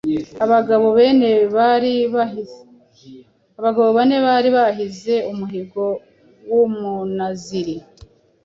Abagabo bane bari bahize umuhigo w’Umunaziri